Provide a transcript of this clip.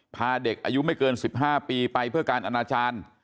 พาเด็กอายุไม่เกิน๑๕ปีไปเพื่อการอนาจารย์